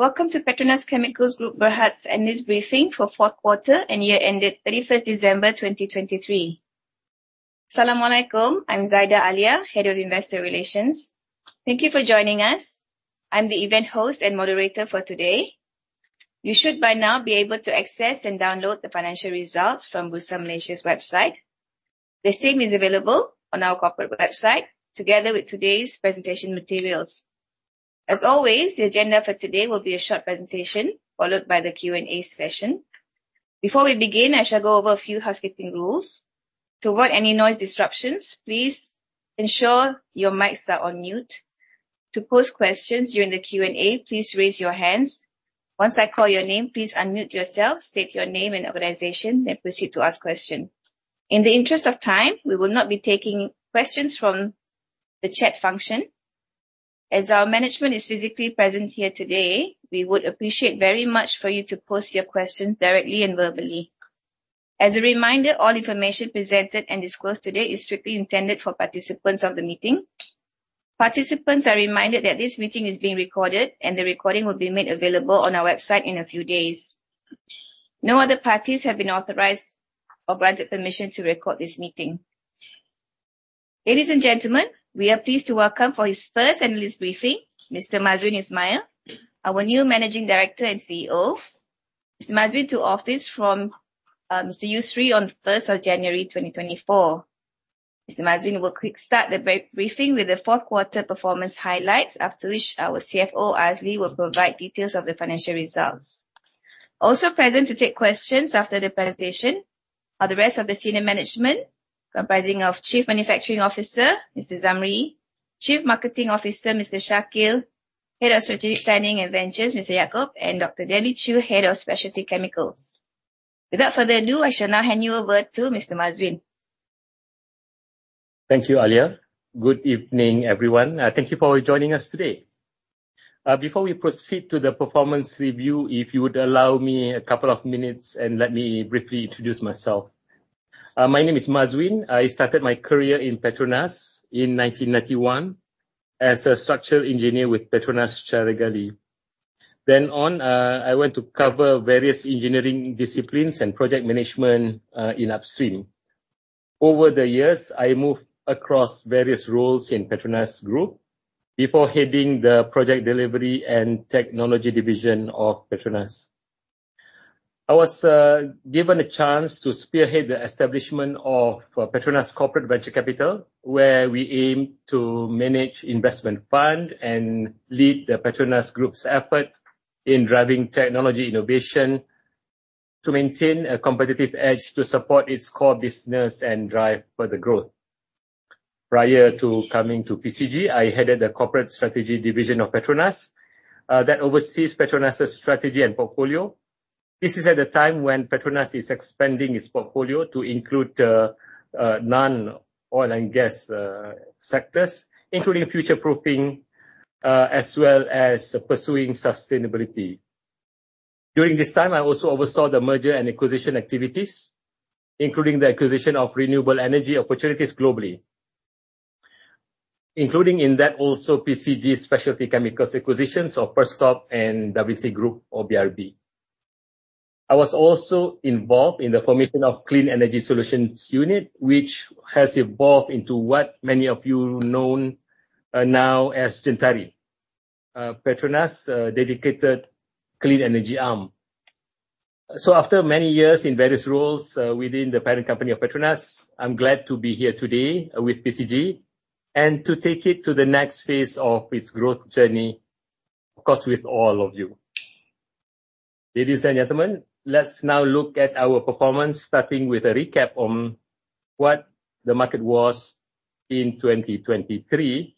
Welcome to PETRONAS Chemicals Group Berhad's annual briefing for 4th quarter and year ended 31st December 2023. Assalamualaikum, I'm Zaida Alia, Head of Investor Relations. Thank you for joining us. I'm the event host and moderator for today. You should by now be able to access and download the financial results from Bursa Malaysia's website. The same is available on our corporate website together with today's presentation materials. As always, the agenda for today will be a short presentation followed by the Q&A session. Before we begin, I shall go over a few housekeeping rules. To avoid any noise disruptions, please ensure your mics are on mute. To pose questions during the Q&A, please raise your hands. Once I call your name, please unmute yourself, state your name and organization, then proceed to ask questions. In the interest of time, we will not be taking questions from the chat function. As our management is physically present here today, we would appreciate very much for you to pose your questions directly and verbally. As a reminder, all information presented and disclosed today is strictly intended for participants of the meeting. Participants are reminded that this meeting is being recorded and the recording will be made available on our website in a few days. No other parties have been authorized or granted permission to record this meeting. Ladies and gentlemen, we are pleased to welcome for his first annual briefing, Mr. Mazuin Ismail, our new Managing Director and CEO. Mr. Mazuin took office from Mr. Yusri on 1st of January 2024. Mr. Mazuin will start the briefing with the 4th quarter performance highlights, after which our CFO, Azli, will provide details of the financial results. Also present to take questions after the presentation are the rest of the senior management comprising Chief Manufacturing Officer, Mr. Zamri, Chief Marketing Officer, Mr. Shakeel, Head of Strategic Planning and Ventures, Mr. Yaacob, and Dr. Debbie Chiu, Head of Specialty Chemicals. Without further ado, I shall now hand you over to Mr. Mazuin. Thank you, Alia. Good evening, everyone. Thank you for joining us today. Before we proceed to the performance review, if you would allow me a couple of minutes and let me briefly introduce myself. My name is Mazuin. I started my career in PETRONAS in 1991 as a structural engineer with PETRONAS Carigali. Then on, I went to cover various engineering disciplines and project management in upstream. Over the years, I moved across various roles in PETRONAS Group before heading the Project Delivery and Technology Division of PETRONAS. I was given a chance to spearhead the establishment of PETRONAS Corporate Venture Capital, where we aimed to manage investment funds and lead the PETRONAS Group's efforts in driving technology innovation to maintain a competitive edge to support its core business and drive further growth. Prior to coming to PCG, I headed the Corporate Strategy Division of PETRONAS that oversees PETRONAS's strategy and portfolio. This is at a time when PETRONAS is expanding its portfolio to include non-oil and gas sectors, including future-proofing as well as pursuing sustainability. During this time, I also oversaw the merger and acquisition activities, including the acquisition of renewable energy opportunities globally, including in that also PCG Specialty Chemicals acquisitions of First Stop and Da Vinci Group or BRB. I was also involved in the formation of Clean Energy Solutions Unit, which has evolved into what many of you know now as Gentari, PETRONAS's dedicated clean energy arm. So after many years in various roles within the parent company of PETRONAS, I'm glad to be here today with PCG and to take it to the next phase of its growth journey, of course, with all of you. Ladies and gentlemen, let's now look at our performance, starting with a recap on what the market was in 2023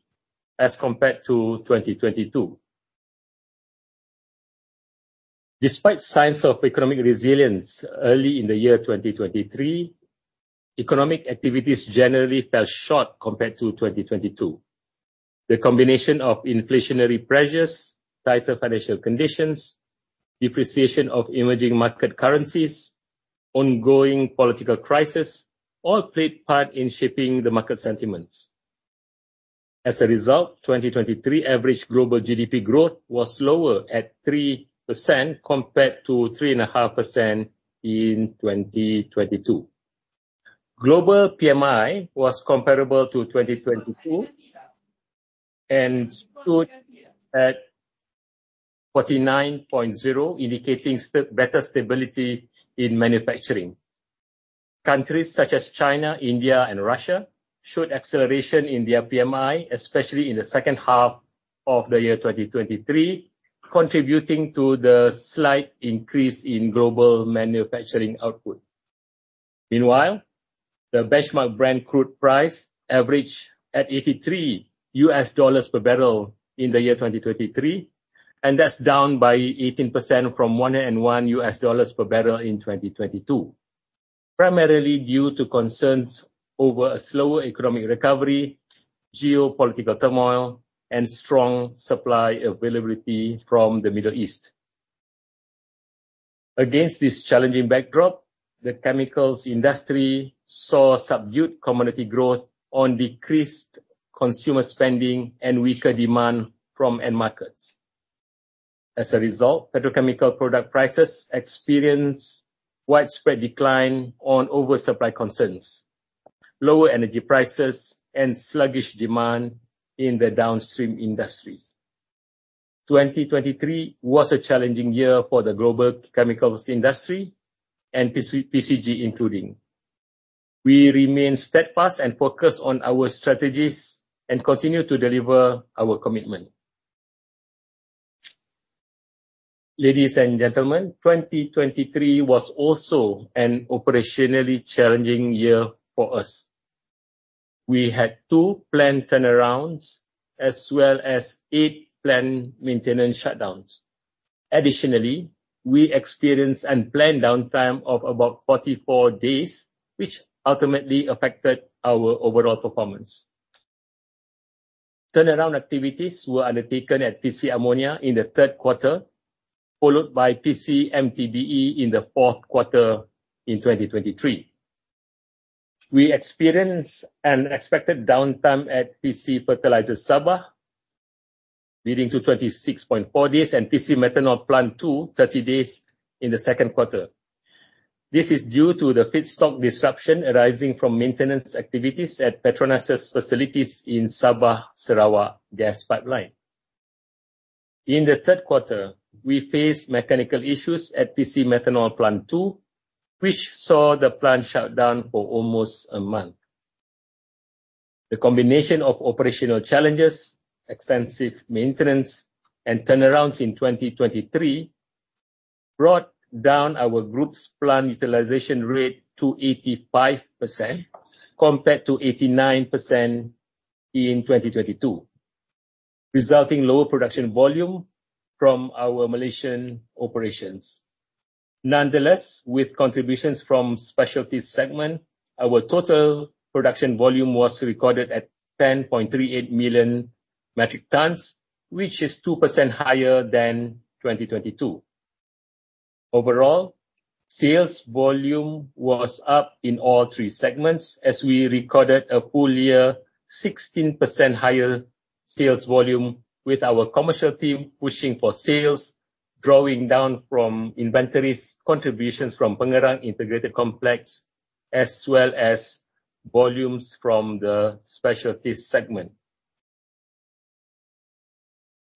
as compared to 2022. Despite signs of economic resilience early in the year 2023, economic activities generally fell short compared to 2022. The combination of inflationary pressures, tighter financial conditions, depreciation of emerging market currencies, and ongoing political crisis all played part in shaping the market sentiments. As a result, 2023 average global GDP growth was slower at 3% compared to 3.5% in 2022. Global PMI was comparable to 2022 and stood at 49.0, indicating better stability in manufacturing. Countries such as China, India, and Russia showed acceleration in their PMI, especially in the second half of the year 2023, contributing to the slight increase in global manufacturing output. Meanwhile, the benchmark Brent crude price averaged at $83 per barrel in the year 2023, and that's down by 18% from $101 per barrel in 2022, primarily due to concerns over a slower economic recovery, geopolitical turmoil, and strong supply availability from the Middle East. Against this challenging backdrop, the chemicals industry saw subdued commodity growth on decreased consumer spending and weaker demand from end markets. As a result, petrochemical product prices experienced widespread decline on oversupply concerns, lower energy prices, and sluggish demand in the downstream industries. 2023 was a challenging year for the global chemicals industry and PCG, including. We remain steadfast and focused on our strategies and continue to deliver our commitment. Ladies and gentlemen, 2023 was also an operationally challenging year for us. We had two planned turnarounds as well as eight planned maintenance shutdowns. Additionally, we experienced and planned downtime of about 44 days, which ultimately affected our overall performance. Turnaround activities were undertaken at PC Ammonia in the 3rd quarter, followed by PC MTBE in the 4th quarter in 2023. We experienced and expected downtime at PC Fertilisers Sabah, leading to 26.4 days, and PC Methanol Plant 2, 30 days, in the 2nd quarter. This is due to the feedstock disruption arising from maintenance activities at PETRONAS's facilities in Sabah Sarawak Gas Pipeline. In the 3rd quarter, we faced mechanical issues at PC Methanol Plant 2, which saw the plant shut down for almost a month. The combination of operational challenges, extensive maintenance, and turnarounds in 2023 brought down our group's plant utilization rate to 85% compared to 89% in 2022, resulting in lower production volume from our Malaysian operations. Nonetheless, with contributions from specialty segments, our total production volume was recorded at 10.38 million metric tons, which is 2% higher than 2022. Overall, sales volume was up in all three segments as we recorded a full year 16% higher sales volume, with our commercial team pushing for sales, drawing down from inventories contributions from Pengerang Integrated Complex as well as volumes from the specialty segment.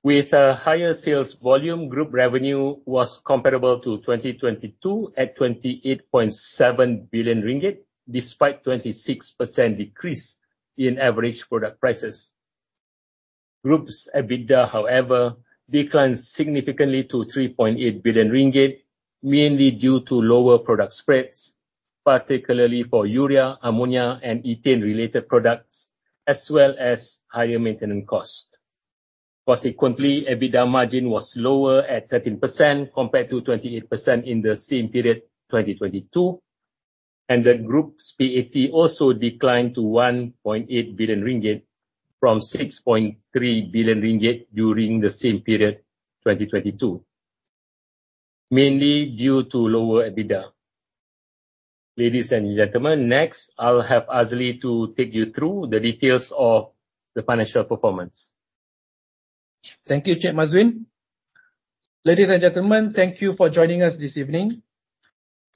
With a higher sales volume, Group revenue was comparable to 2022 at 28.7 billion ringgit, despite a 26% decrease in average product prices. Group's EBITDA, however, declined significantly to 3.8 billion ringgit, mainly due to lower product spreads, particularly for urea, ammonia, and ethane-related products, as well as higher maintenance costs. Consequently, EBITDA margin was lower at 13% compared to 28% in the same period, 2022, and the group's PAT also declined to RM 1.8 billion from RM 6.3 billion during the same period, 2022, mainly due to lower EBITDA. Ladies and gentlemen, next I'll have Azli to take you through the details of the financial performance. Thank you, Encik Mazuin. Ladies and gentlemen, thank you for joining us this evening.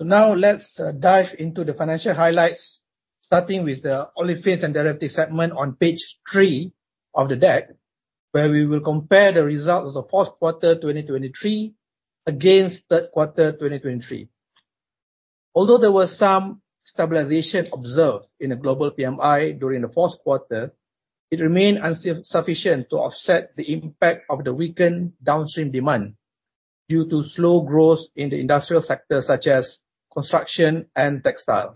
Now let's dive into the financial highlights, starting with the Olefins and derivatives segment on page 3 of the deck, where we will compare the results of the 4th quarter 2023 against 3rd quarter 2023. Although there was some stabilization observed in the global PMI during the 4th quarter, it remained insufficient to offset the impact of the weakened downstream demand due to slow growth in the industrial sectors such as construction and textile.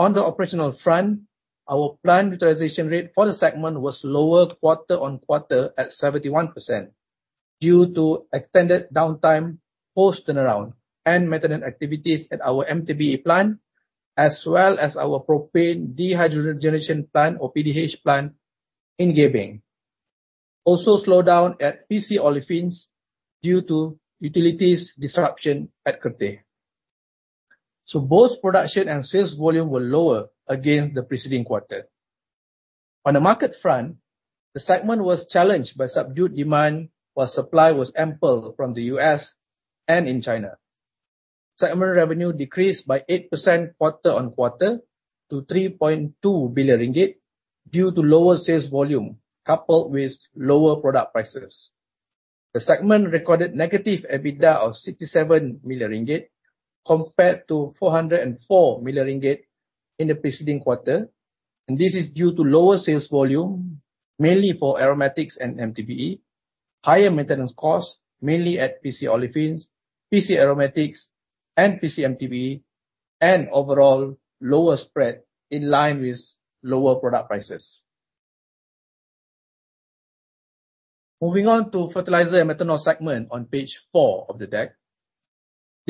On the operational front, our plant utilization rate for the segment was lower quarter-over-quarter at 71% due to extended downtime post-turnaround and maintenance activities at our MTBE plant, as well as our propane dehydrogenation plant or PDH plant in Gebeng. Also slowed down at PC Olefins due to utilities disruption at Kerteh. So both production and sales volume were lower against the preceding quarter. On the market front, the segment was challenged by subdued demand while supply was ample from the US and in China. Segment revenue decreased by 8% quarter-over-quarter to 3.2 billion ringgit due to lower sales volume coupled with lower product prices. The segment recorded negative EBITDA of RM 67 million compared to RM 404 million in the preceding quarter, and this is due to lower sales volume, mainly for aromatics and MTBE, higher maintenance costs, mainly at PC Olefins, PC Aromatics, and PC MTBE, and overall lower spread in line with lower product prices. Moving on to the fertilizer and methanol segment on page 4 of the deck,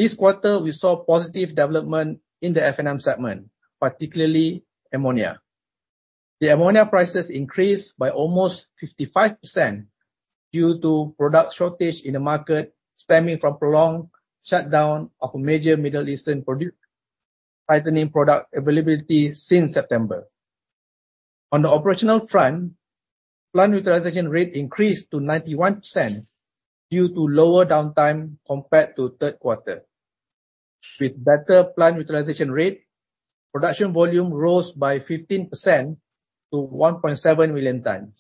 this quarter we saw positive development in the F&M segment, particularly ammonia. The ammonia prices increased by almost 55% due to product shortage in the market stemming from prolonged shutdown of a major Middle Eastern product availability since September. On the operational front, plant utilization rate increased to 91% due to lower downtime compared to 3rd quarter. With better plant utilization rate, production volume rose by 15% to 1.7 million tonnes.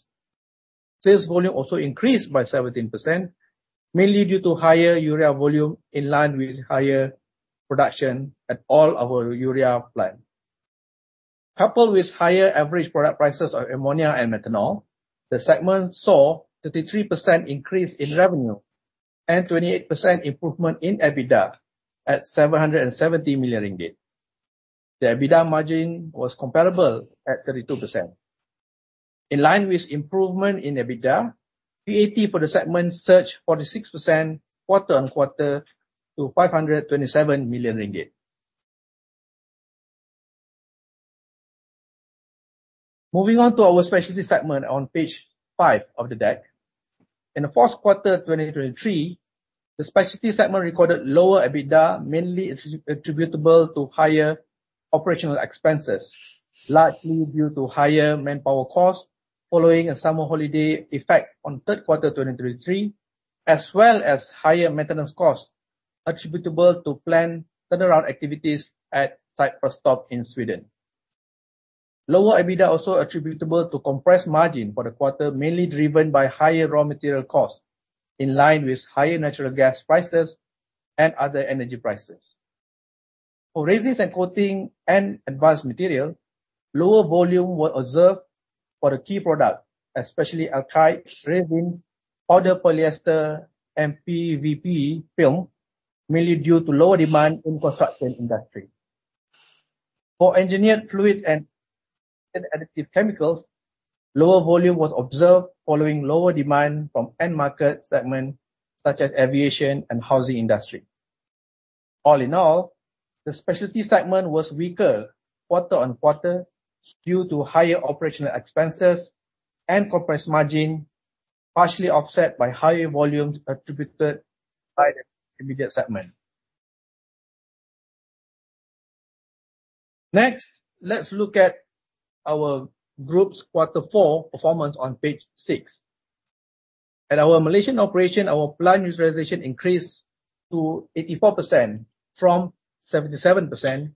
Sales volume also increased by 17%, mainly due to higher urea volume in line with higher production at all our urea plants. Coupled with higher average product prices of ammonia and methanol, the segment saw a 33% increase in revenue and a 28% improvement in EBITDA at 770 million ringgit. The EBITDA margin was comparable at 32%. In line with improvement in EBITDA, PAT for the segment surged 46% quarter-on-quarter to MYR 527 million. Moving on to our specialty segment on page 5 of the deck, in the 4th quarter 2023, the specialty segment recorded lower EBITDA, mainly attributable to higher operational expenses, largely due to higher manpower costs following a summer holiday effect on 3rd quarter 2023, as well as higher maintenance costs attributable to planned turnaround activities at Perstorp in Sweden. Lower EBITDA also attributable to compressed margin for the quarter, mainly driven by higher raw material costs in line with higher natural gas prices and other energy prices. For resins and coating and advanced material, lower volume was observed for the key products, especially Alkyd Resin, Powdered Polyester, and PVB Film, mainly due to lower demand in the construction industry. For engineered fluids and additive chemicals, lower volume was observed following lower demand from end market segments such as the aviation and housing industry. All in all, the specialty segment was weaker quarter-on-quarter due to higher operational expenses and compressed margin, partially offset by higher volumes attributed by the intermediate segment. Next, let's look at our group's quarter 4 performance on page 6. At our Malaysian operation, our plant utilization increased to 84% from 77%,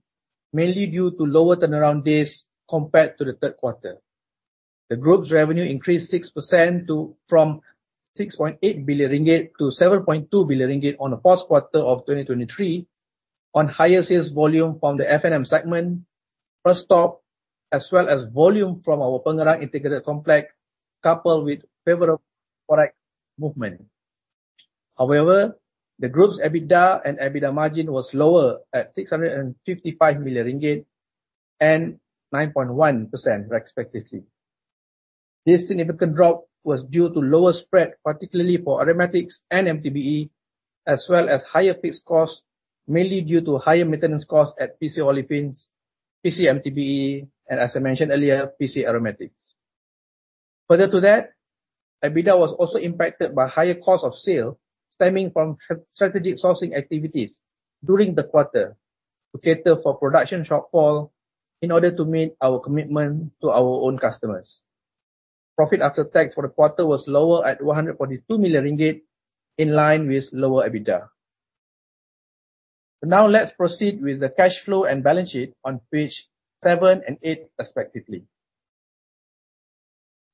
mainly due to lower turnaround days compared to the 3rd quarter. The group's revenue increased 6% from RM 6.8 billion to RM 7.2 billion on the 4th quarter of 2023, on higher sales volume from the F&M segment, O&D, as well as volume from our Pengerang Integrated Complex coupled with favorable forex movement. However, the group's EBITDA and EBITDA margin were lower at RM 655 million and 9.1% respectively. This significant drop was due to lower spread, particularly for aromatics and MTBE, as well as higher fixed costs, mainly due to higher maintenance costs at PC Olefins, PC MTBE, and as I mentioned earlier, PC Aromatics. Further to that, EBITDA was also impacted by higher costs of sale stemming from strategic sourcing activities during the quarter to cater for production shortfall in order to meet our commitment to our own customers. Profit after tax for the quarter was lower at RM 142 million in line with lower EBITDA. Now let's proceed with the cash flow and balance sheet on pages 7 and 8 respectively.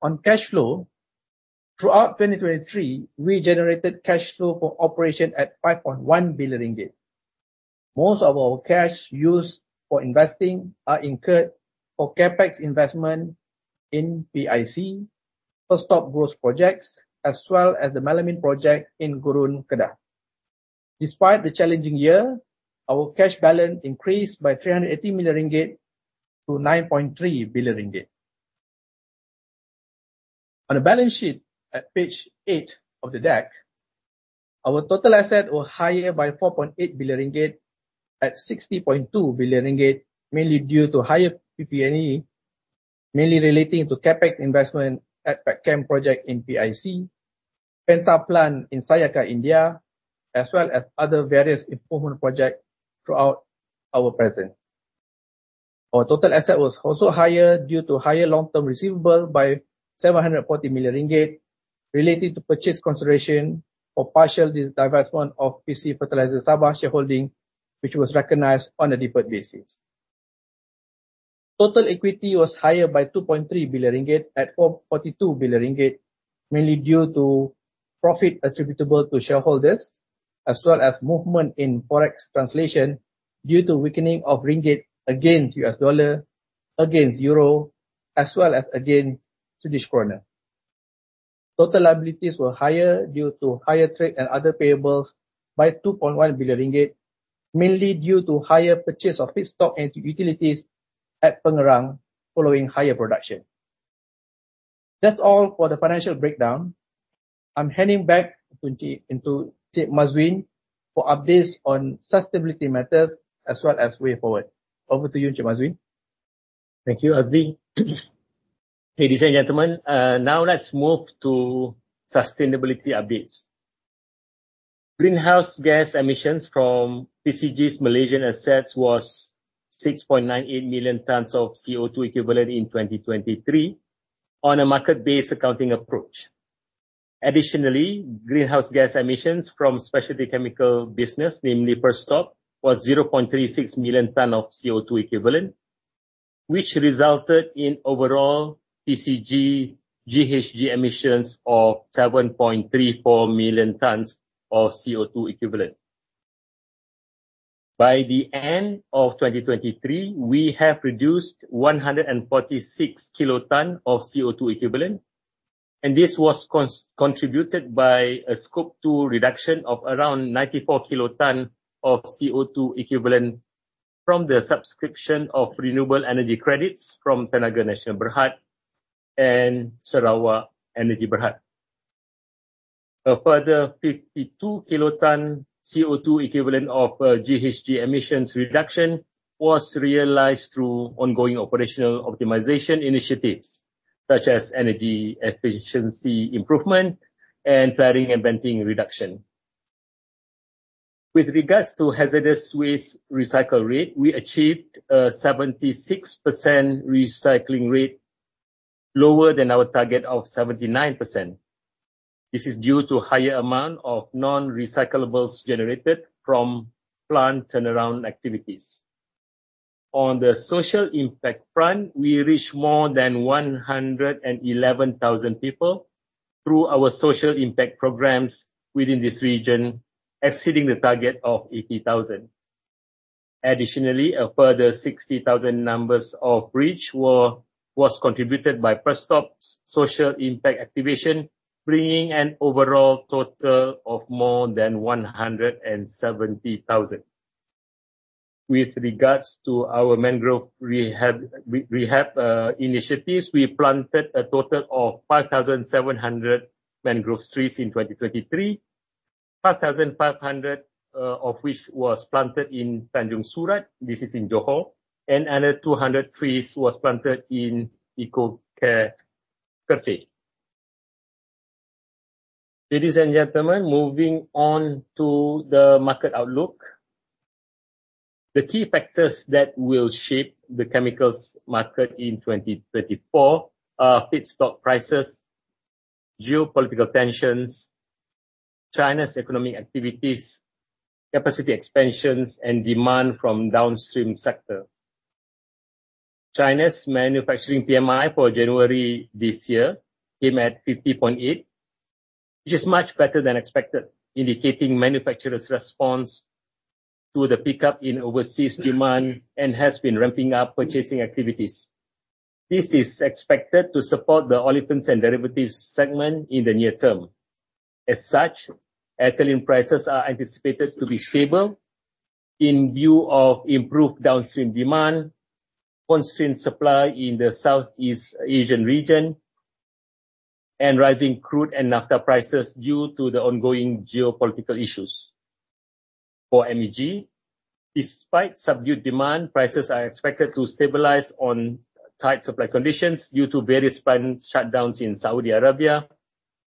On cash flow, throughout 2023, we generated cash flow for operation at 5.1 billion ringgit. Most of our cash used for investing is incurred for CAPEX investment in PIC, Cypress Stop growth projects, as well as the Melamine project in Gurun, Kedah. Despite the challenging year, our cash balance increased by 380 million ringgit to 9.3 billion ringgit. On the balance sheet at page 8 of the deck, our total assets were higher by 4.8 billion ringgit at 60.2 billion ringgit, mainly due to higher PP&E, mainly relating to CAPEX investment at PetChem project in PIC, Penta Plant in Sayakha, India, as well as other various improvement projects throughout our presence. Our total assets were also higher due to higher long-term receivables by 740 million ringgit relating to purchase consideration for partial divestment of PC Fertilizers Sabah shareholding, which was recognised on a deferred basis. Total equity was higher by 2.3 billion ringgit at 442 billion ringgit, mainly due to profit attributable to shareholders, as well as movement in forex translation due to weakening of ringgit against USD, against euro, as well as against Swedish krona. Total liabilities were higher due to higher trade and other payables by 2.1 billion ringgit, mainly due to higher purchase of fixed stocks and utilities at Pengerang following higher production. That's all for the financial breakdown. I'm handing back to Cik Mazuin for updates on sustainability matters as well as way forward. Over to you, Cik Mazuin. Thank you, Azli. Ladies and gentlemen, now let's move to sustainability updates. Greenhouse gas emissions from PCG's Malaysian assets were 6.98 million tonnes of CO2 equivalent in 2023 on a market-based accounting approach. Additionally, greenhouse gas emissions from specialty chemical business, namely Perstorp, were 0.36 million tonnes of CO2 equivalent, which resulted in overall PCG GHG emissions of 7.34 million tonnes of CO2 equivalent. By the end of 2023, we have reduced 146 kilotonnes of CO2 equivalent, and this was contributed by a scope 2 reduction of around 94 kilotonnes of CO2 equivalent from the subscription of renewable energy credits from Tenaga Nasional Berhad and Sarawak Energy Berhad. A further 52 kilotonnes CO2 equivalent of GHG emissions reduction was realized through ongoing operational optimization initiatives such as energy efficiency improvement and flaring and venting reduction. With regards to hazardous waste recycle rate, we achieved a 76% recycling rate lower than our target of 79%. This is due to a higher amount of non-recyclables generated from plant turnaround activities. On the social impact front, we reached more than 111,000 people through our social impact programs within this region, exceeding the target of 80,000. Additionally, a further 60,000 numbers of reach was contributed by Cypress Stop's social impact activation, bringing an overall total of more than 170,000. With regards to our mangrove rehab initiatives, we planted a total of 5,700 mangrove trees in 2023, 5,500 of which were planted in Tanjung Surat. This is in Johor, and another 200 trees were planted in EcoCare Kerteh. Ladies and gentlemen, moving on to the market outlook. The key factors that will shape the chemicals market in 2024 are fixed stock prices, geopolitical tensions, China's economic activities, capacity expansions, and demand from the downstream sector. China's manufacturing PMI for January this year came at 50.8, which is much better than expected, indicating manufacturers' response to the pickup in overseas demand and has been ramping up purchasing activities. This is expected to support the Olefins and Derivatives segment in the near term. As such, ethylene prices are anticipated to be stable in view of improved downstream demand, constrained supply in the Southeast Asian region, and rising crude and naphtha prices due to the ongoing geopolitical issues. For MEG, despite subdued demand, prices are expected to stabilize on tight supply conditions due to various plant shutdowns in Saudi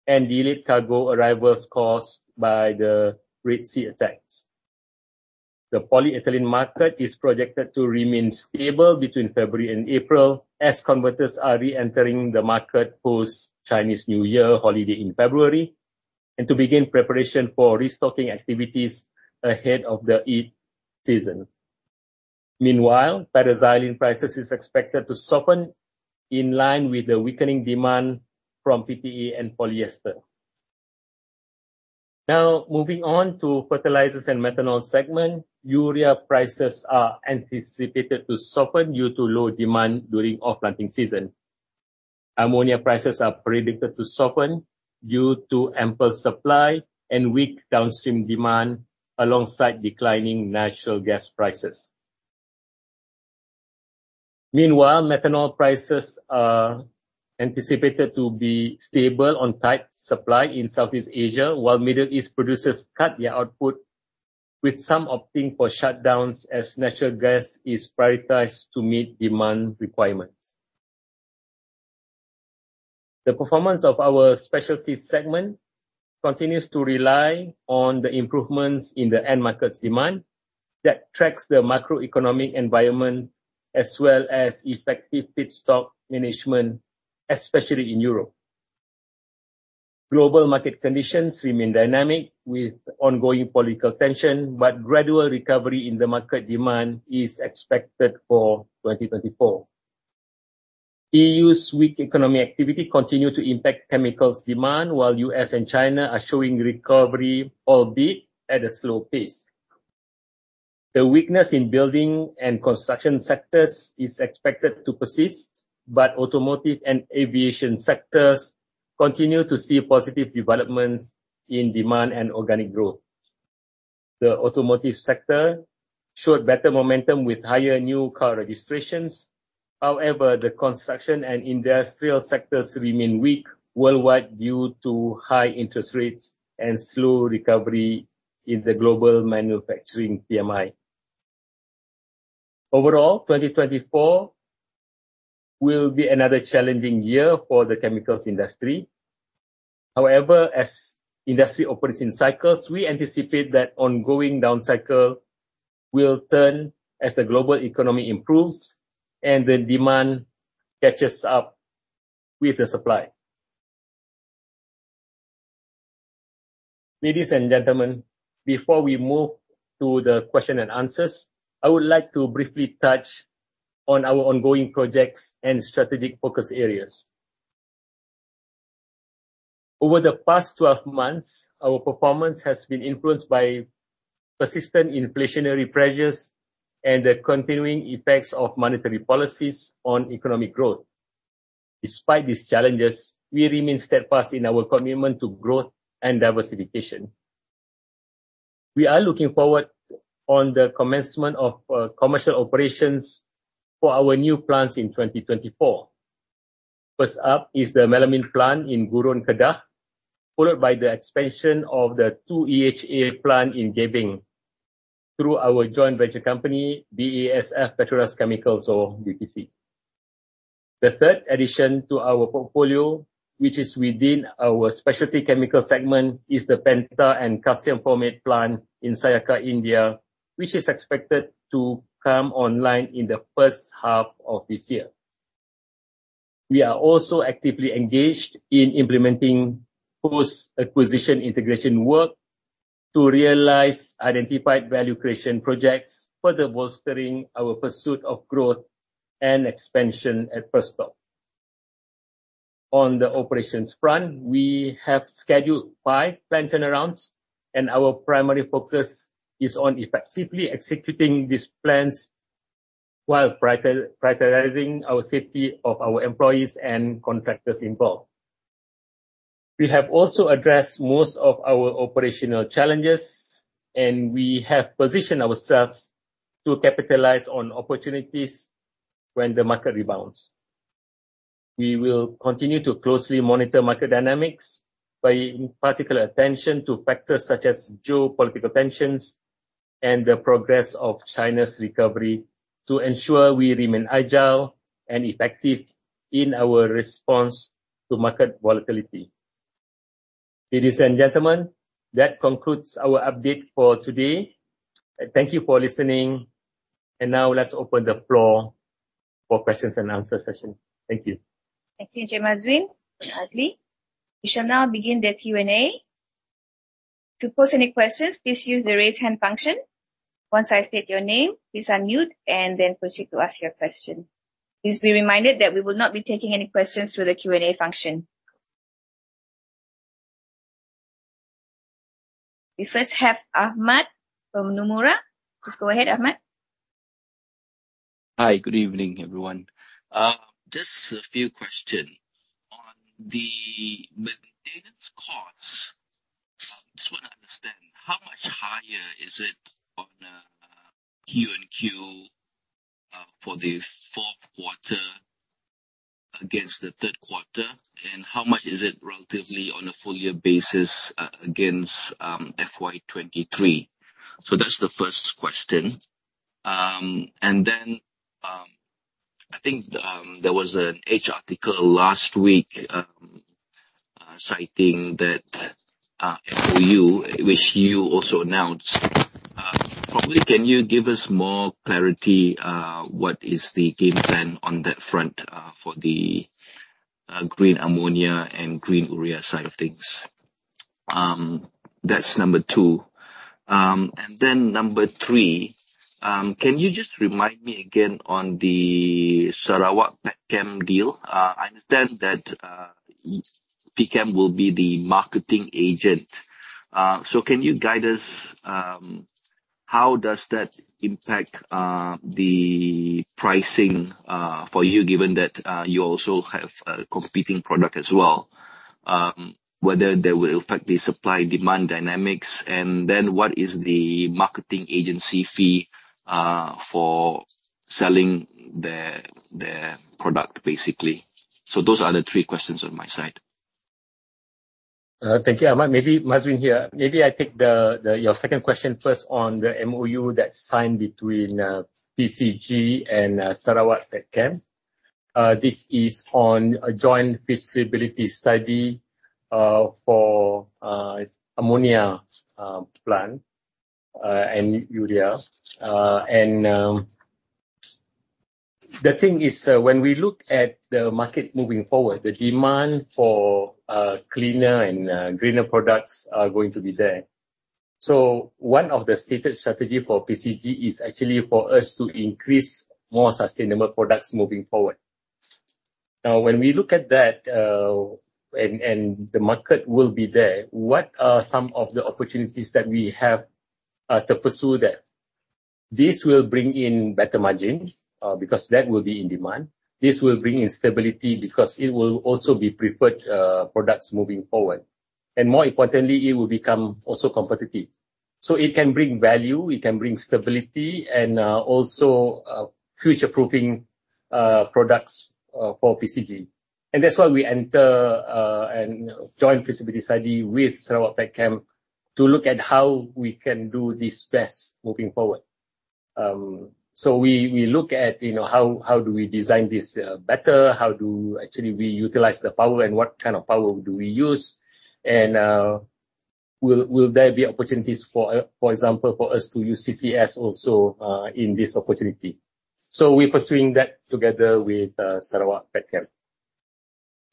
Arabia and delayed cargo arrivals caused by the Red Sea attacks. The polyethylene market is projected to remain stable between February and April as converters are re-entering the market post-Chinese New Year holiday in February and to begin preparation for restocking activities ahead of the Eid season. Meanwhile, paraxylene prices are expected to soften in line with the weakening demand from PET and polyester. Now, moving on to the fertilizers and methanol segment, urea prices are anticipated to soften due to low demand during off-planting season. Ammonia prices are predicted to soften due to ample supply and weak downstream demand alongside declining natural gas prices. Meanwhile, methanol prices are anticipated to be stable on tight supply in Southeast Asia while Middle East producers cut their output, with some opting for shutdowns as natural gas is prioritized to meet demand requirements. The performance of our specialty segment continues to rely on the improvements in the end market's demand that tracks the macroeconomic environment as well as effective fixed stock management, especially in Europe. Global market conditions remain dynamic, with ongoing political tension, but gradual recovery in the market demand is expected for 2024. EU's weak economic activity continues to impact chemicals demand, while U.S. and China are showing recovery, albeit at a slow pace. The weakness in building and construction sectors is expected to persist, but automotive and aviation sectors continue to see positive developments in demand and organic growth. The automotive sector showed better momentum with higher new car registrations. However, the construction and industrial sectors remain weak worldwide due to high interest rates and slow recovery in the global manufacturing PMI. Overall, 2024 will be another challenging year for the chemicals industry. However, as industry opens in cycles, we anticipate that the ongoing downcycle will turn as the global economy improves and the demand catches up with the supply. Ladies and gentlemen, before we move to the questions and answers, I would like to briefly touch on our ongoing projects and strategic focus areas. Over the past 12 months, our performance has been influenced by persistent inflationary pressures and the continuing effects of monetary policies on economic growth. Despite these challenges, we remain steadfast in our commitment to growth and diversification. We are looking forward to the commencement of commercial operations for our new plants in 2024. First up is the Melamine Plant in Gurun, Kedah, followed by the expansion of the 2EHA Plant in Gebeng through our joint venture company, BASF PETRONAS Chemicals, or BPC. The third addition to our portfolio, which is within our specialty chemical segment, is the PENTA and Calcium Formate Plant in Sayakha, India, which is expected to come online in the first half of this year. We are also actively engaged in implementing post-acquisition integration work to realize identified value creation projects, further bolstering our pursuit of growth and expansion at Perstorp. On the operations front, we have scheduled five plant turnarounds, and our primary focus is on effectively executing these plans while prioritizing our safety of our employees and contractors involved. We have also addressed most of our operational challenges, and we have positioned ourselves to capitalize on opportunities when the market rebounds. We will continue to closely monitor market dynamics, paying particular attention to factors such as geopolitical tensions and the progress of China's recovery to ensure we remain agile and effective in our response to market volatility. Ladies and gentlemen, that concludes our update for today. Thank you for listening, and now let's open the floor for the questions and answers session. Thank you. Thank you, Mazuin and Azli. We shall now begin the Q&A. To post any questions, please use the raise hand function. Once I state your name, please unmute and then proceed to ask your question. Please be reminded that we will not be taking any questions through the Q&A function. We first have Ahmad from Nomura. Please go ahead, Ahmad. Hi. Good evening, everyone. Just a few questions. On the maintenance costs, I just want to understand, how much higher is it on a Q&Q for the fourth quarter against the third quarter, and how much is it relatively on a full-year basis against FY2023? So that's the first question. And then I think there was an H article last week citing that MOU, which you also announced. Probably, can you give us more clarity on what is the game plan on that front for the green ammonia and green urea side of things? That's number two. And then number three, can you just remind me again on the Sarawak Petchem deal? I understand that Petchem will be the marketing agent. Can you guide us, how does that impact the pricing for you, given that you also have a competing product as well, whether that will affect the supply-demand dynamics? What is the marketing agency fee for selling their product, basically? Those are the three questions on my side. Thank you, Ahmad. Mazuin here. Maybe I take your second question first on the MOU that's signed between PCG and Sarawak Petchem. This is on a joint feasibility study for ammonia plant and urea. And the thing is, when we look at the market moving forward, the demand for cleaner and greener products is going to be there. So one of the stated strategies for PCG is actually for us to increase more sustainable products moving forward. Now, when we look at that and the market will be there, what are some of the opportunities that we have to pursue there? This will bring in better margins because that will be in demand. This will bring in stability because it will also be preferred products moving forward. And more importantly, it will become also competitive. So it can bring value, it can bring stability, and also future-proofing products for PCG. That's why we enter a joint feasibility study with Sarawak Petchem to look at how we can do this best moving forward. We look at how do we design this better, how do actually we utilize the power, and what kind of power do we use? Will there be opportunities, for example, for us to use CCS also in this opportunity? We're pursuing that together with Sarawak Petchem.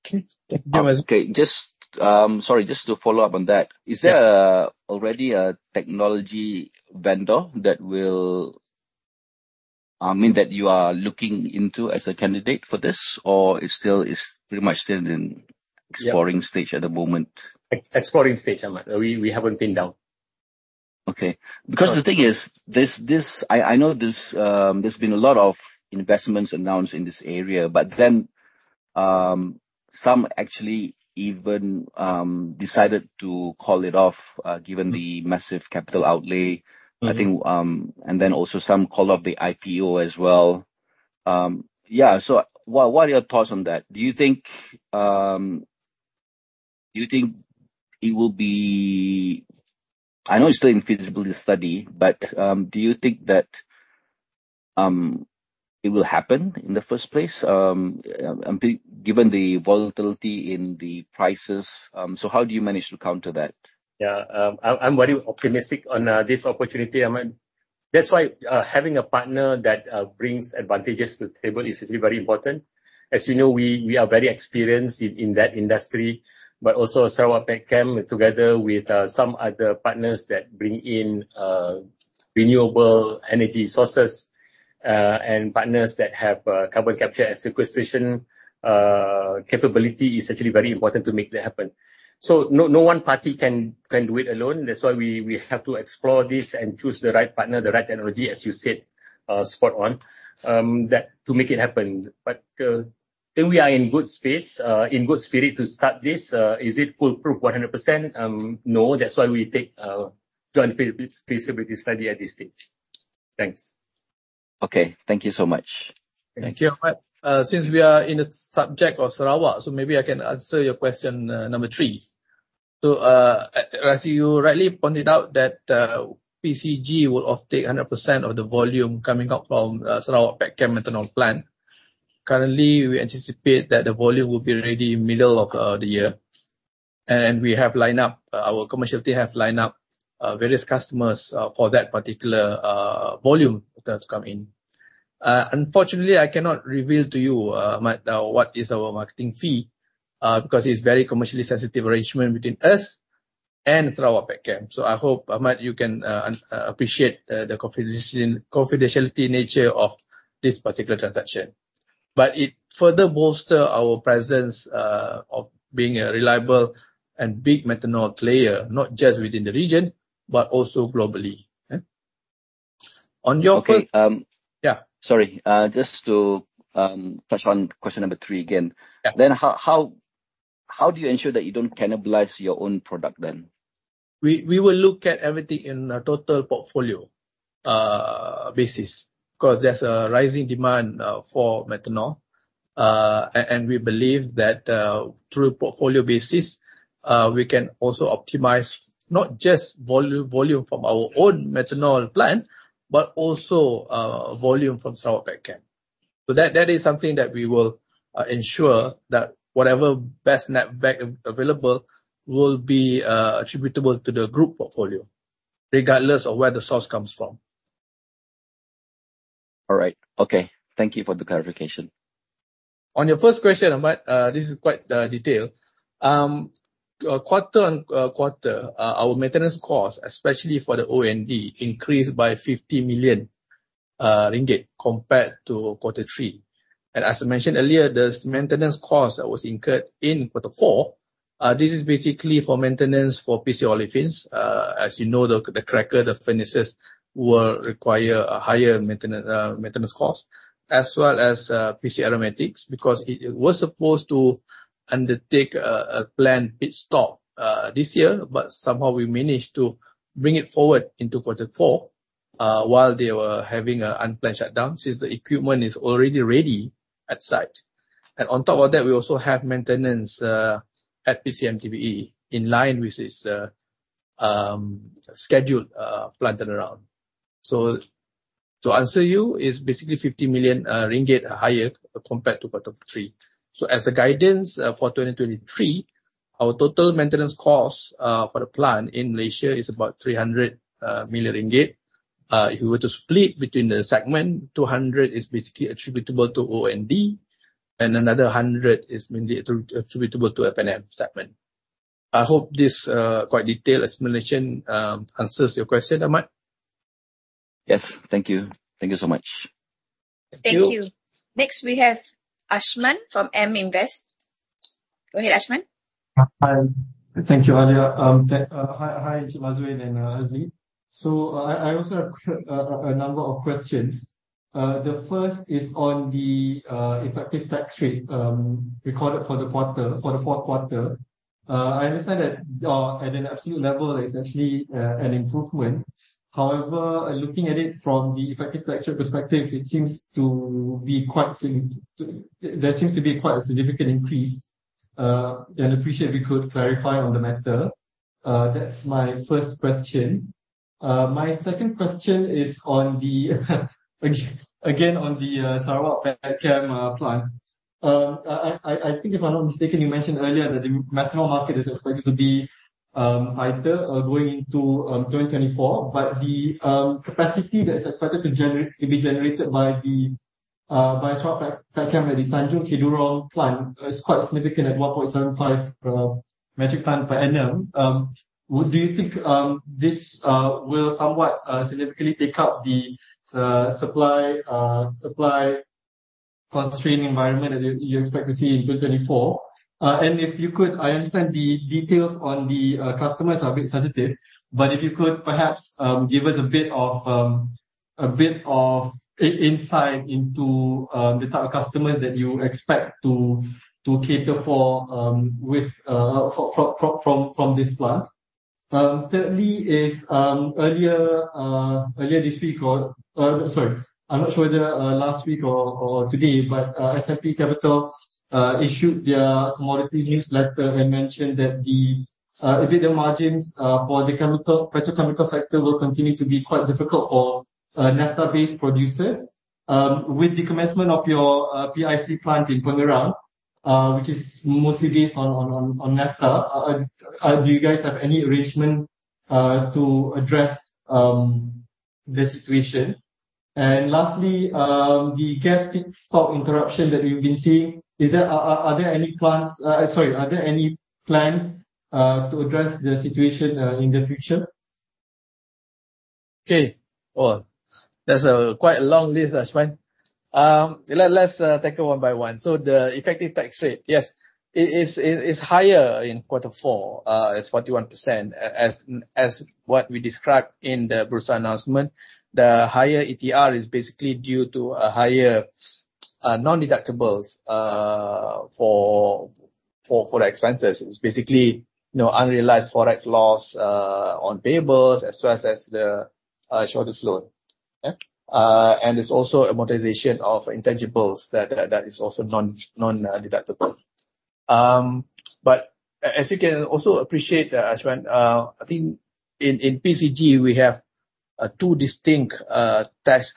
Okay. Thank you, Jay Mazuin. Sorry, just to follow up on that. Is there already a technology vendor that will mean that you are looking into as a candidate for this, or it's pretty much still in the exploring stage at the moment? Exploring stage, Ahmad. We haven't pinned down. Okay. Because the thing is, I know there's been a lot of investments announced in this area, but then some actually even decided to call it off given the massive capital outlay, I think, and then also some called off the IPO as well. Yeah. So what are your thoughts on that? Do you think it will be? I know it's still in the feasibility study, but do you think that it will happen in the first place given the volatility in the prices? So how do you manage to counter that? Yeah. I'm very optimistic on this opportunity, Ahmad. That's why having a partner that brings advantages to the table is actually very important. As you know, we are very experienced in that industry, but also Sarawak Petchem, together with some other partners that bring in renewable energy sources and partners that have carbon capture and sequestration capability, is actually very important to make that happen. So no one party can do it alone. That's why we have to explore this and choose the right partner, the right technology, as you said, spot on, to make it happen. But I think we are in good space, in good spirit to start this. Is it foolproof 100%? No. That's why we take a joint feasibility study at this stage. Thanks. Okay. Thank you so much. Thank you, Ahmad. Since we are in the subject of Sarawak, so maybe I can answer your question number three. So as you rightly pointed out, that PCG will uptake 100% of the volume coming out from Sarawak Petchem methanol plant. Currently, we anticipate that the volume will be ready in the middle of the year. And we have lined up our commercial team has lined up various customers for that particular volume to come in. Unfortunately, I cannot reveal to you, Ahmad, what is our marketing fee because it's a very commercially sensitive arrangement between us and Sarawak Petchem. So I hope, Ahmad, you can appreciate the confidentiality nature of this particular transaction. But it further bolsters our presence of being a reliable and big methanol player, not just within the region but also globally. On your. Okay. Sorry. Just to touch on question number three again. Then how do you ensure that you don't cannibalize your own product then? We will look at everything on a total portfolio basis because there's a rising demand for methanol. We believe that through a portfolio basis, we can also optimize not just volume from our own methanol plant but also volume from Sarawak Petchem. That is something that we will ensure that whatever best netback available will be attributable to the group portfolio, regardless of where the source comes from. All right. Okay. Thank you for the clarification. On your first question, Ahmad, this is quite detailed. Quarter on quarter, our maintenance costs, especially for the O&D, increased by 50 million ringgit compared to quarter three. As I mentioned earlier, the maintenance cost that was incurred in quarter four, this is basically for maintenance for PC Olefins. As you know, the cracker, the furnaces will require a higher maintenance cost, as well as PC Aromatics because it was supposed to undertake a planned pit stop this year, but somehow we managed to bring it forward into quarter four while they were having an unplanned shutdown since the equipment is already ready at site. On top of that, we also have maintenance at PCMTBE in line with its scheduled plant turnaround. To answer you, it's basically 50 million ringgit higher compared to quarter three. So as a guidance for 2023, our total maintenance costs for the plant in Malaysia is about 300 million ringgit. If you were to split between the segments, 200 million is basically attributable to O&D, and another 100 million is mainly attributable to the F&M segment. I hope this quite detailed explanation answers your question, Ahmad. Yes. Thank you. Thank you so much. Thank you. Next, we have Ashman from AmInvest. Go ahead, Ashman. Thank you, Alia. Hi, Encik Mazuin and Azli. So I also have a number of questions. The first is on the effective tax rate recorded for the fourth quarter. I understand that at an absolute level, it's actually an improvement. However, looking at it from the effective tax rate perspective, it seems to be quite. There seems to be quite a significant increase. And I appreciate if you could clarify on the matter. That's my first question. My second question is again on the Sarawak Petchem plant. I think, if I'm not mistaken, you mentioned earlier that the methanol market is expected to be tighter going into 2024. But the capacity that is expected to be generated by Sarawak Petchem at the Tanjung Kidurong plant is quite significant at 1.75 metric tonne per annum. Do you think this will somewhat significantly take up the supply constraint environment that you expect to see in 2024? And if you could, I understand the details on the customers are a bit sensitive. But if you could perhaps give us a bit of insight into the type of customers that you expect to cater for from this plant. Thirdly, earlier this week or sorry, I'm not sure whether last week or today, but S&P Capital issued their commodity newsletter and mentioned that a bit of margins for the petrochemical sector will continue to be quite difficult for naphtha-based producers. With the commencement of your PIC plant in Pengerang, which is mostly based on naphtha, do you guys have any arrangement to address the situation? Lastly, the gas pit stop interruption that we've been seeing, are there any plans to address the situation in the future? Okay. Well, that's quite a long list, Ashman. Let's tackle one by one. So the effective tax rate, yes, it's higher in quarter four at 41%. As what we described in the Bursa announcement, the higher ETR is basically due to higher non-deductibles for the expenses. It's basically unrealized forex loss on payables as well as the shortest loan. And there's also amortization of intangibles that is also non-deductible. But as you can also appreciate, Ashman, I think in PCG, we have two distinct tax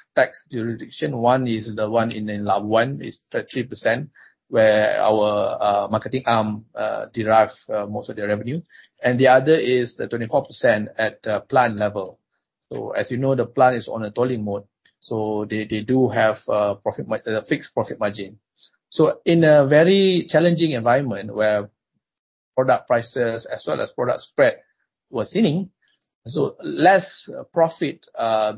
jurisdictions. One is the one in Labuan, it's 3% where our marketing arm derives most of their revenue. And the other is the 24% at the plant level. So as you know, the plant is on a tolling mode. So they do have a fixed profit margin. So in a very challenging environment where product prices as well as product spread were sinking, so less profit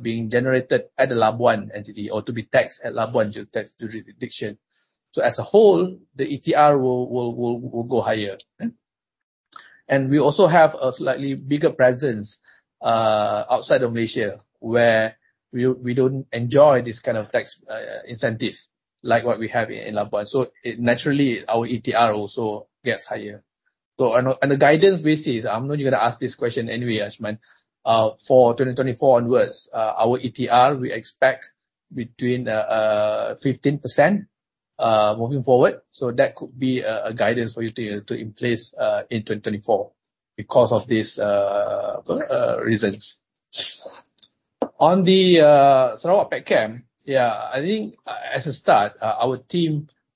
being generated at the Labuan entity or to be taxed at Labuan jurisdiction. So as a whole, the ETR will go higher. And we also have a slightly bigger presence outside of Malaysia where we don't enjoy this kind of tax incentive like what we have in Labuan. So naturally, our ETR also gets higher. So on a guidance basis, I'm not going to ask this question anyway, Ashman. For 2024 onwards, our ETR, we expect between 15% moving forward. So that could be a guidance for you to put in place in 2024 because of these reasons. On the Sarawak Petchem, yeah, I think as a start, our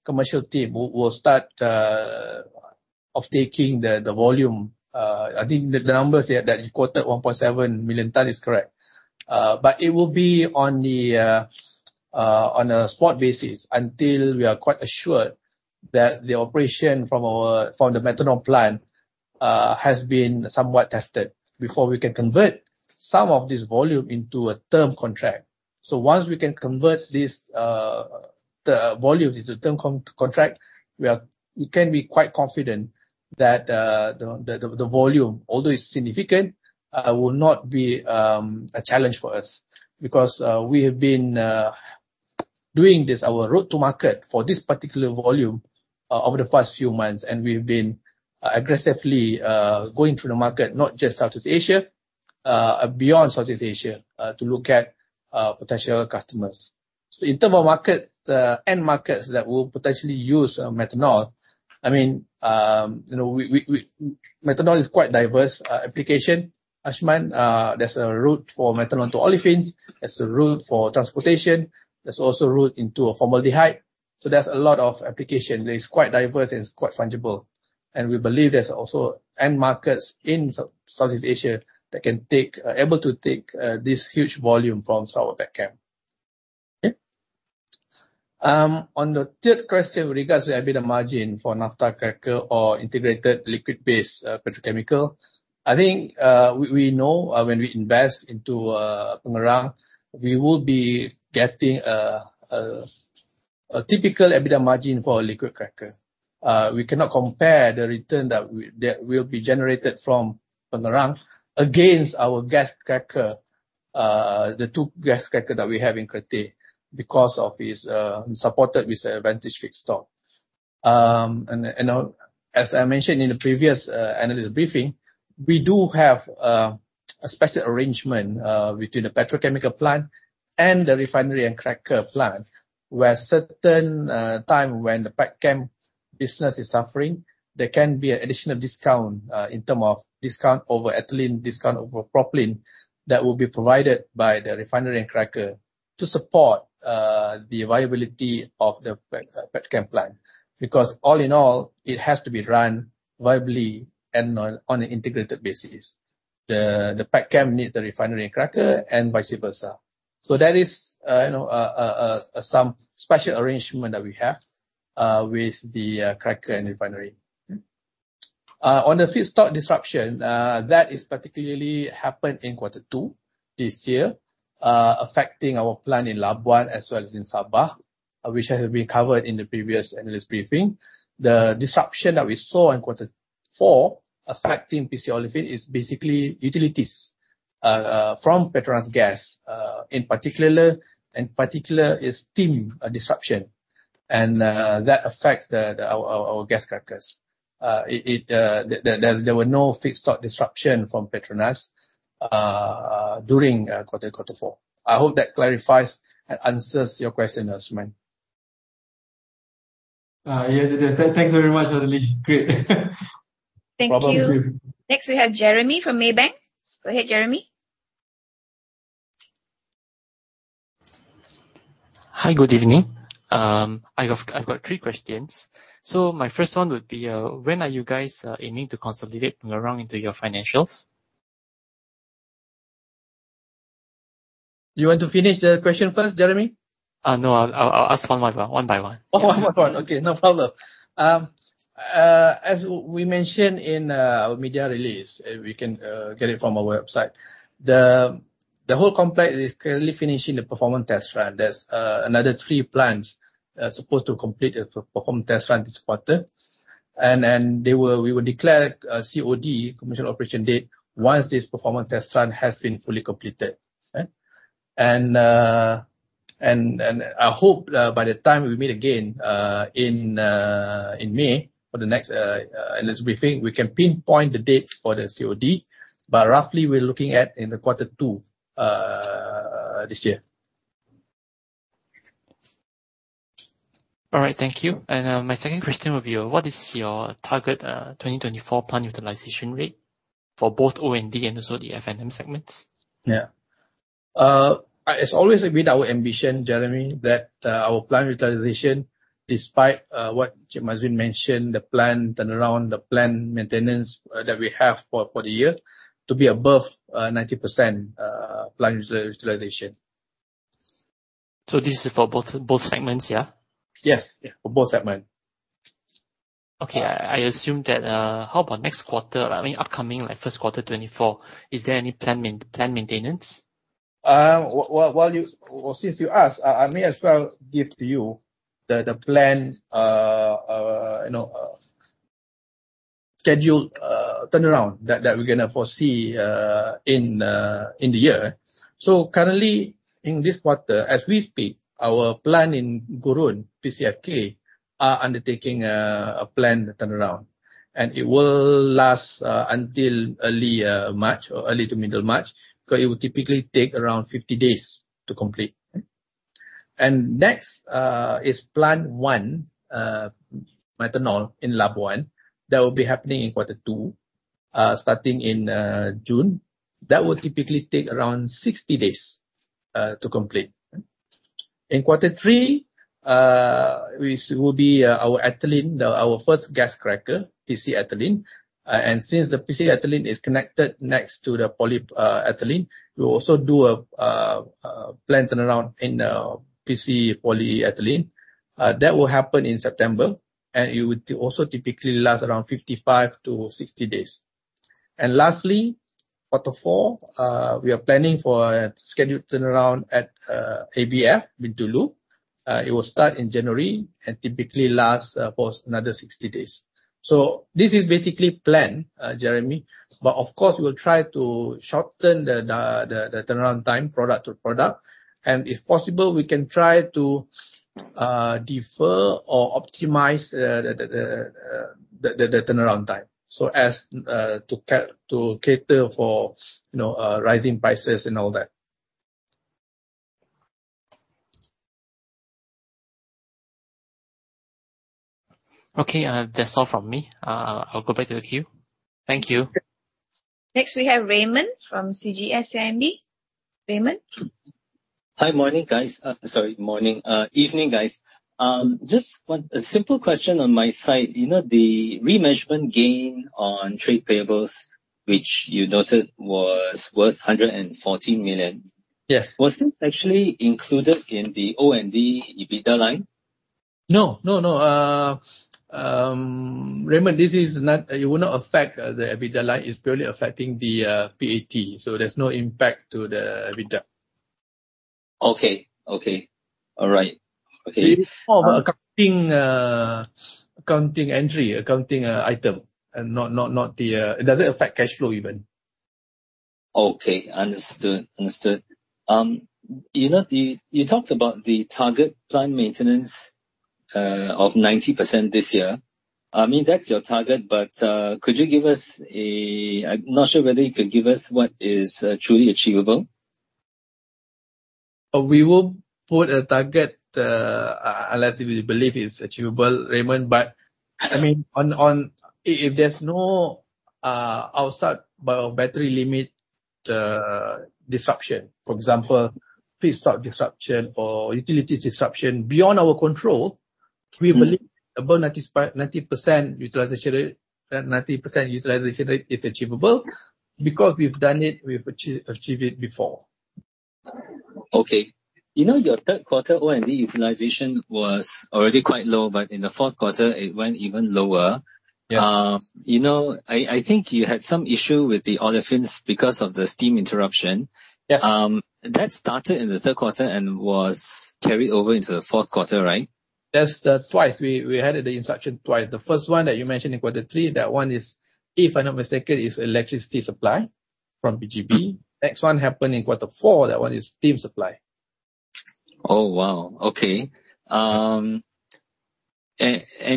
commercial team will start uptaking the volume. I think the numbers that you quoted, 1.7 million tonne, is correct. But it will be on a spot basis until we are quite assured that the operation from the methanol plant has been somewhat tested before we can convert some of this volume into a term contract. So once we can convert this volume into a term contract, we can be quite confident that the volume, although it's significant, will not be a challenge for us because we have been doing our road to market for this particular volume over the past few months. And we have been aggressively going through the market, not just Southeast Asia, beyond Southeast Asia, to look at potential customers. So in terms of markets and markets that will potentially use Methanol, I mean, Methanol is quite diverse application. Ashman, there's a route for Methanol to Olefins. There's a route for transportation. There's also a route into a formaldehyde. So there's a lot of application. It's quite diverse and it's quite fungible. We believe there's also end markets in Southeast Asia that can take able to take this huge volume from Sarawak Petchem. Okay. On the third question with regards to EBITDA margin for naphtha cracker or integrated liquid-based petrochemical, I think we know when we invest into Pengerang, we will be getting a typical EBITDA margin for a liquid cracker. We cannot compare the return that will be generated from Pengerang against our gas cracker, the two gas crackers that we have in Kerteh because it's supported with an advantageous fixed cost. As I mentioned in the previous analyst briefing, we do have a special arrangement between the petrochemical plant and the refinery and cracker plant where certain times when the PETCAM business is suffering, there can be an additional discount in terms of discount over ethylene, discount over propylene that will be provided by the refinery and cracker to support the viability of the PETCAM plant because all in all, it has to be run viably and on an integrated basis. The PETCAM needs the refinery and cracker and vice versa. So that is some special arrangement that we have with the cracker and refinery. On the fixed stop disruption, that particularly happened in quarter two this year, affecting our plant in Labuan as well as in Sabah, which has been covered in the previous analyst briefing. The disruption that we saw in quarter four affecting PC Olefins is basically utilities from PETRONAS Gas, in particular, and particular is steam disruption. And that affects our gas crackers. There were no fixed stop disruptions from PETRONAS during quarter four. I hope that clarifies and answers your question, Ashman. Yes, it does. Thanks very much, Azli. Great. Thank you. Next, we have Jeremy from Maybank. Go ahead, Jeremy. Hi. Good evening. I've got three questions. So my first one would be, when are you guys aiming to consolidate Pengerang into your financials? You want to finish the question first, Jeremy? No. I'll ask one by one. One by one. Okay. No problem. As we mentioned in our media release, and you can get it from our website, the whole complex is currently finishing the performance test run. There's another three plants supposed to complete the performance test run this quarter. And we will declare COD, commercial operation date, once this performance test run has been fully completed. And I hope by the time we meet again in May for the next analyst briefing, we can pinpoint the date for the COD. But roughly, we're looking at in the quarter two this year. All right. Thank you. And my second question would be, what is your target 2024 plant utilization rate for both O&D and also the F&M segments? Yeah. As always, it's been our ambition, Jeremy, that our plant utilization, despite what Encik Mazuin mentioned, the plan turnaround, the plan maintenance that we have for the year, to be above 90% plant utilization. This is for both segments, yeah? Yes. For both segments. Okay. I assume that how about next quarter? I mean, upcoming first quarter 2024, is there any planned maintenance? Well, since you asked, I may as well give to you the planned scheduled turnaround that we're going to foresee in the year. So currently, in this quarter, as we speak, our plant in Gurun, PCFK, are undertaking a planned turnaround. It will last until early March or early to middle March because it will typically take around 50 days to complete. Next is Plant One methanol in Labuan that will be happening in quarter two, starting in June. That will typically take around 60 days to complete. In quarter three, it will be our ethylene, our first gas cracker, PC Ethylene. Since the PC Ethylene is connected next to the polyethylene, we will also do a planned turnaround in PC Polyethylene. That will happen in September. It will also typically last around 55-60 days. Lastly, quarter four, we are planning for a scheduled turnaround at ABF Bintulu. It will start in January and typically last for another 60 days. So this is basically planned, Jeremy. But of course, we will try to shorten the turnaround time product to product. If possible, we can try to defer or optimize the turnaround time to cater for rising prices and all that. Okay. That's all from me. I'll go back to the queue. Thank you. Next, we have Raymond from CGS CIMB. Raymond? Hi. Morning, guys. Sorry, evening, guys. Just a simple question on my side. The remeasurement gain on trade payables, which you noted was worth 114 million, was this actually included in the O&D EBITDA line? No. No. No. Raymond, it will not affect the EBITDA line. It's purely affecting the PAT. So there's no impact to the EBITDA. Okay. Okay. All right. Okay. It is more of an accounting entry, accounting item, and it doesn't affect cash flow even. Okay. Understood. Understood. You talked about the target plant maintenance of 90% this year. I mean, that's your target. But could you give us. I'm not sure whether you could give us what is truly achievable. We will put a target. I believe it's achievable, Raymond. But I mean, if there's no outside battery limit disruption, for example, fixed stop disruption or utilities disruption beyond our control, we believe above 90% utilization rate is achievable because we've done it, we've achieved it before. Okay. Your third quarter O&D utilization was already quite low. In the fourth quarter, it went even lower. I think you had some issue with the Olefins because of the steam interruption. That started in the third quarter and was carried over into the fourth quarter, right? Twice. We had the instruction twice. The first one that you mentioned in quarter three, that one, if I'm not mistaken, is electricity supply from PGB. Next one happened in quarter four. That one is steam supply. Oh, wow. Okay. And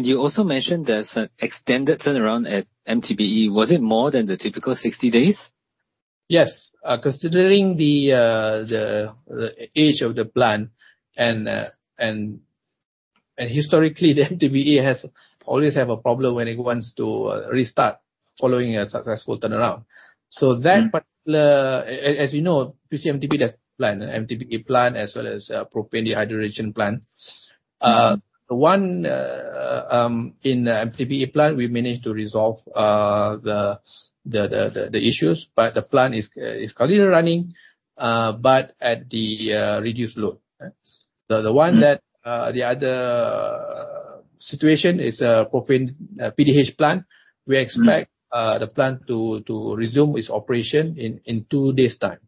you also mentioned there's an extended turnaround at MTBE. Was it more than the typical 60 days? Yes. Considering the age of the plant and historically, the MTBE always has a problem when it wants to restart following a successful turnaround. So that particular, as you know, PC MTBE, that's the plant, MTBE plant as well as propane dehydrogenation plant. The one in the MTBE plant, we managed to resolve the issues. But the plant is currently running but at the reduced load. The one that the other situation is a propane PDH plant. We expect the plant to resume its operation in two days' time.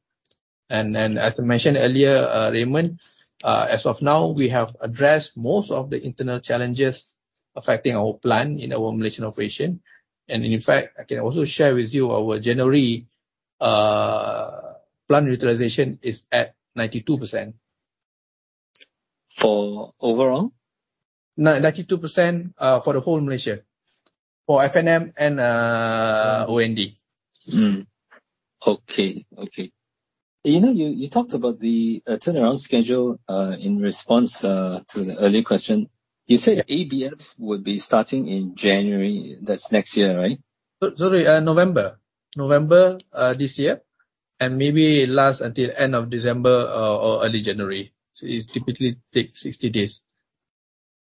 And as I mentioned earlier, Raymond, as of now, we have addressed most of the internal challenges affecting our plant in our Malaysian operation. And in fact, I can also share with you our January plant utilization is at 92%. For overall? 92% for the whole Malaysia, for F&M and O&D. Okay. Okay. You talked about the turnaround schedule in response to the earlier question. You said ABF would be starting in January. That's next year, right? Sorry. November this year, and maybe last until the end of December or early January. So it typically takes 60 days.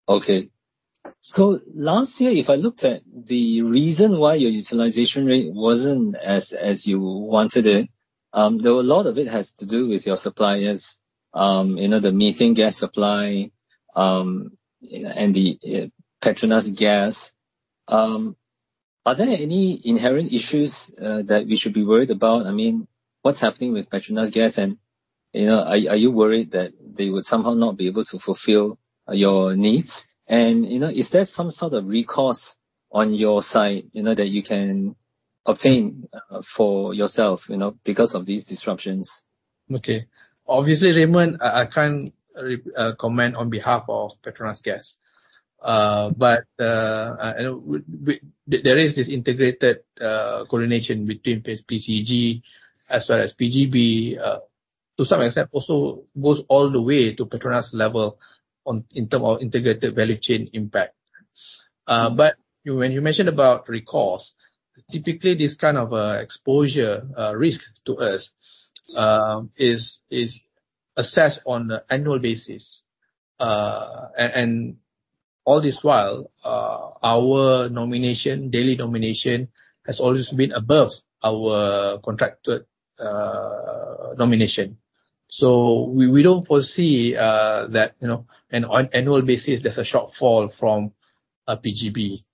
Okay. So last year, if I looked at the reason why your utilization rate wasn't as you wanted it, a lot of it has to do with your suppliers, the methane gas supply and the PETRONAS Gas. Are there any inherent issues that we should be worried about? I mean, what's happening with PETRONAS Gas? And are you worried that they would somehow not be able to fulfill your needs? And is there some sort of recourse on your side that you can obtain for yourself because of these disruptions? Okay. Obviously, Raymond, I can't comment on behalf of PETRONAS Gas. But there is this integrated coordination between PCG as well as PGB, to some extent, also goes all the way to PETRONAS level in terms of integrated value chain impact. But when you mentioned about recourse, typically, this kind of exposure risk to us is assessed on an annual basis. And all this while, our daily nomination has always been above our contracted nomination. So we don't foresee that on an annual basis, there's a shortfall from PGB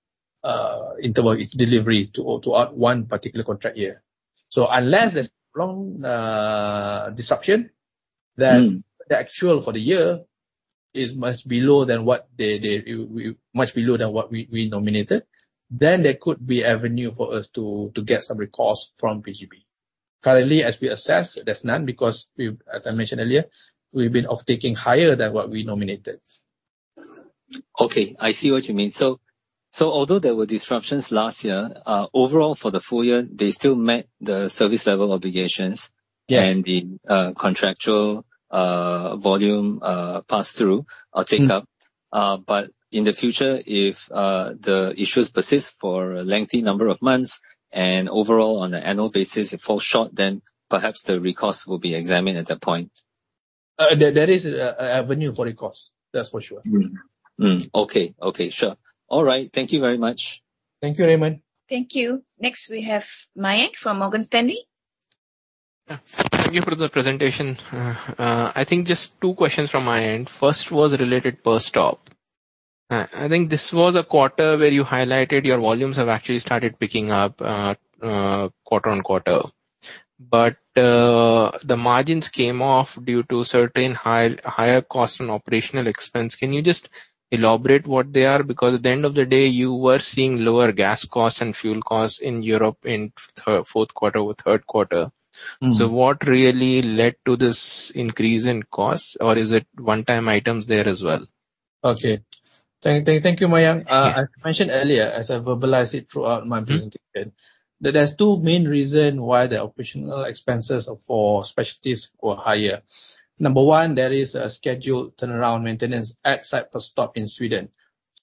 in terms of its delivery throughout one particular contract year. So unless there's a long disruption, then the actual for the year is much below than what they much below than what we nominated, then there could be avenue for us to get some recourse from PGB. Currently, as we assess, there's none because, as I mentioned earlier, we've been offtaking higher than what we nominated. Okay. I see what you mean. So although there were disruptions last year, overall, for the full year, they still met the service level obligations and the contractual volume pass-through or take-up. But in the future, if the issues persist for a lengthy number of months and overall, on an annual basis, it falls short, then perhaps the recourse will be examined at that point. There is an avenue for recourse. That's for sure. Okay. Okay. Sure. All right. Thank you very much. Thank you, Raymond. Thank you. Next, we have Mayank from Morgan Stanley. Thank you for the presentation. I think just two questions from my end. First was related Perstorp. I think this was a quarter where you highlighted your volumes have actually started picking up quarter-on-quarter. But the margins came off due to certain higher costs and operational expense. Can you just elaborate what they are? Because at the end of the day, you were seeing lower gas costs and fuel costs in Europe in fourth quarter or third quarter. So what really led to this increase in costs? Or is it one-time items there as well? Okay. Thank you, Mayank. As I mentioned earlier, as I verbalized it throughout my presentation, there's two main reasons why the operational expenses for specialties were higher. Number one, there is a scheduled turnaround maintenance at site Perstorp in Sweden.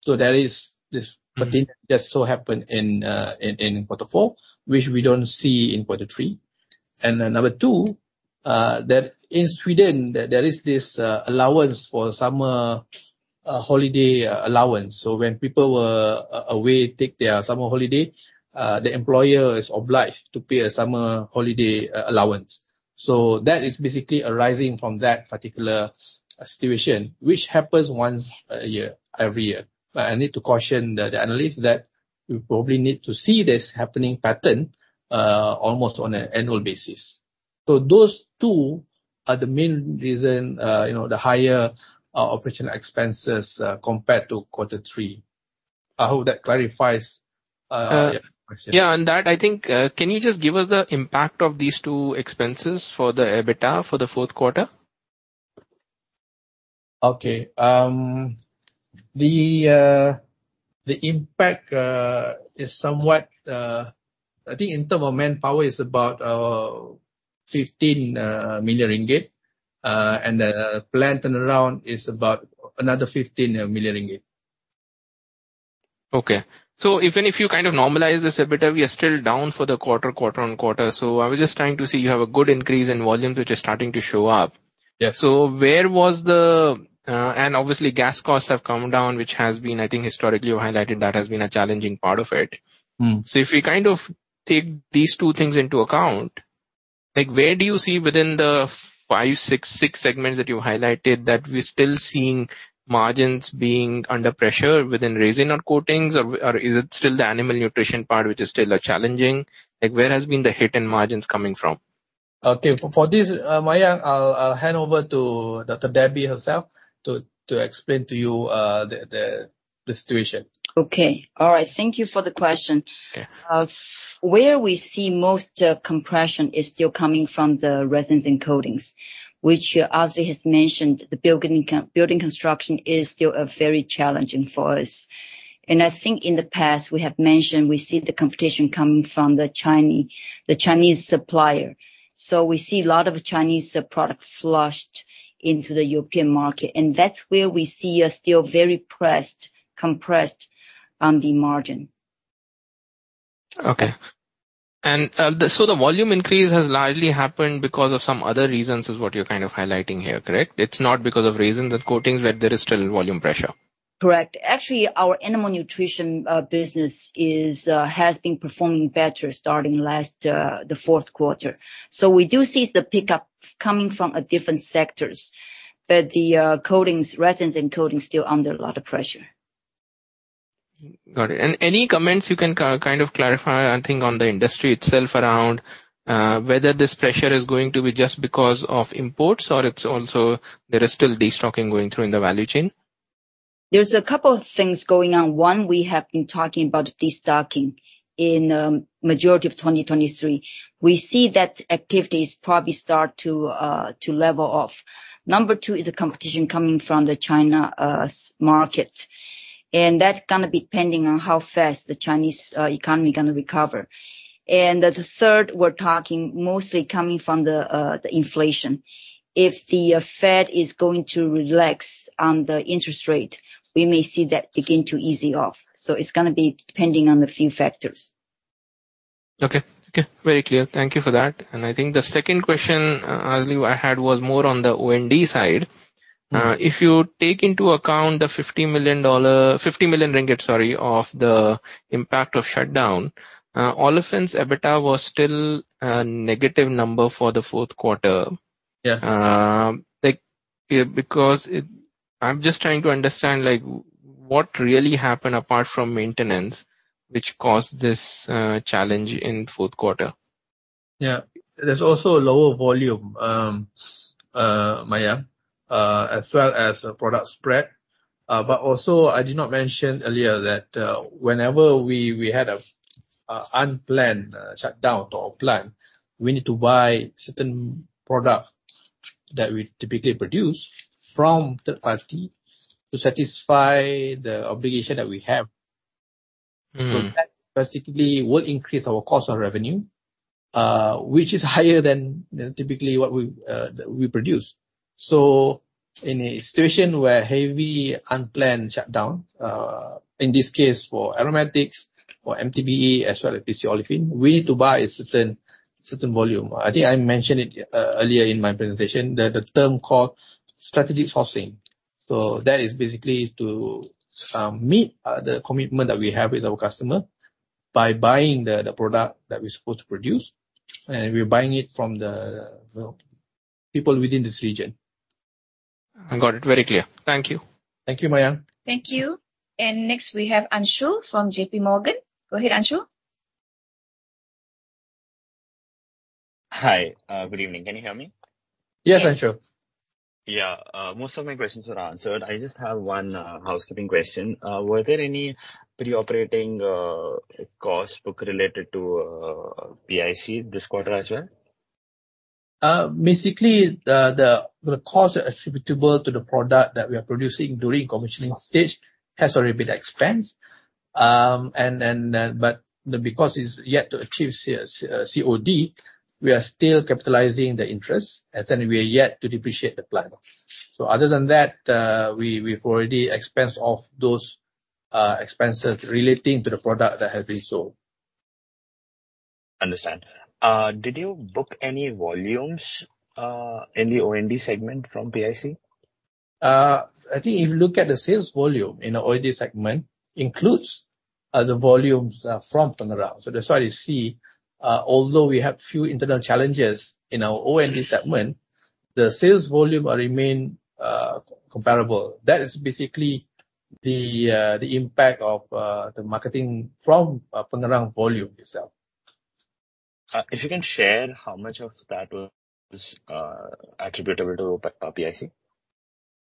So this just so happened in quarter four, which we don't see in quarter three. And number two, in Sweden, there is this allowance for summer holiday allowance. So when people were away, take their summer holiday, the employer is obliged to pay a summer holiday allowance. So that is basically arising from that particular situation, which happens once a year, every year. I need to caution the analysts that we probably need to see this happening pattern almost on an annual basis. So those two are the main reasons, the higher operational expenses compared to quarter three. I hope that clarifies your question. Yeah. On that, I think, can you just give us the impact of these two expenses for the EBITDA for the fourth quarter? Okay. The impact is somewhat I think in terms of manpower, it's about 15 million ringgit. The planned turnaround is about another 15 million ringgit. Okay. So even if you kind of normalize this EBITDA, we are still down for the quarter, quarter on quarter. So I was just trying to see, you have a good increase in volumes, which is starting to show up. So where was the and obviously, gas costs have come down, which has been, I think, historically you've highlighted that has been a challenging part of it. So if we kind of take these two things into account, where do you see within the 5, 6, 6 segments that you've highlighted that we're still seeing margins being under pressure within resin or coatings? Or is it still the animal nutrition part, which is still challenging? Where has been the hit in margins coming from? Okay. For this, Mayang, I'll hand over to Dr. Debbie herself to explain to you the situation. Okay. All right. Thank you for the question. Where we see most compression is still coming from the resins and coatings, which Azli has mentioned. The building construction is still very challenging for us. And I think in the past, we have mentioned we see the competition coming from the Chinese supplier. So we see a lot of Chinese products flushed into the European market. And that's where we see us still very pressed, compressed on the margin. Okay. And so the volume increase has largely happened because of some other reasons, is what you're kind of highlighting here, correct? It's not because of resins and coatings where there is still volume pressure? Correct. Actually, our animal nutrition business has been performing better starting last the fourth quarter. So we do see the pickup coming from different sectors. But the resins and coatings are still under a lot of pressure. Got it. Any comments you can kind of clarify, I think, on the industry itself around whether this pressure is going to be just because of imports or there is still destocking going through in the value chain? There's a couple of things going on. One, we have been talking about destocking in the majority of 2023. We see that activities probably start to level off. Number two is the competition coming from the China market. And that's going to be depending on how fast the Chinese economy is going to recover. And the third, we're talking mostly coming from the inflation. If the Fed is going to relax on the interest rate, we may see that begin to ease off. So it's going to be depending on a few factors. Okay. Okay. Very clear. Thank you for that. And I think the second question, Azli, I had was more on the O&D side. If you take into account the MYR 50 million, sorry, of the impact of shutdown, Olefins' EBITDA was still a negative number for the fourth quarter because I'm just trying to understand what really happened apart from maintenance, which caused this challenge in fourth quarter. Yeah. There's also a lower volume, Maybank, as well as product spread. But also, I did not mention earlier that whenever we had an unplanned shutdown to our plant, we need to buy certain products that we typically produce from third-party to satisfy the obligation that we have. So that basically will increase our cost of revenue, which is higher than typically what we produce. So in a situation where heavy unplanned shutdown, in this case, for Aromatics, for MTBE, as well as PC Olefin, we need to buy a certain volume. I think I mentioned it earlier in my presentation, the term called strategic sourcing. So that is basically to meet the commitment that we have with our customer by buying the product that we're supposed to produce. And we're buying it from the people within this region. I got it. Very clear. Thank you. Thank you, Mayang. Thank you. Next, we have Anshul from JP Morgan. Go ahead, Anshul. Hi. Good evening. Can you hear me? Yes, Anshul. Yeah. Most of my questions were answered. I just have one housekeeping question. Were there any pre-operating costs related to PIC this quarter as well? Basically, the costs attributable to the product that we are producing during commissioning stage has already been expensed. But because it's yet to achieve COD, we are still capitalizing the interest. As in, we are yet to depreciate the plant. So other than that, we've already expensed off those expenses relating to the product that has been sold. Understand. Did you book any volumes in the O&D segment from PIC? I think if you look at the sales volume in the O&D segment, it includes the volumes from turnaround. So that's why you see, although we have few internal challenges in our O&D segment, the sales volume remains comparable. That is basically the impact of the marketing from turnaround volume itself. If you can share how much of that was attributable to PIC?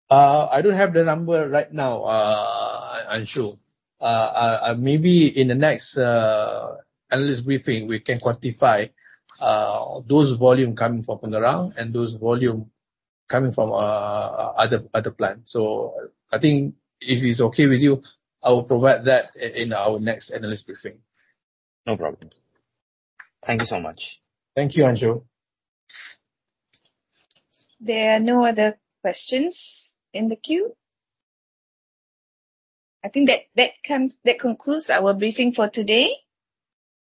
I don't have the number right now, Anshul. Maybe in the next analyst briefing, we can quantify those volumes coming from turnaround and those volumes coming from other plants. I think if it's okay with you, I will provide that in our next analyst briefing. No problem. Thank you so much. Thank you, Anshul. There are no other questions in the queue. I think that concludes our briefing for today.